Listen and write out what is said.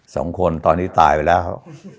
สองคนตอนนี้ตายไปแล้ว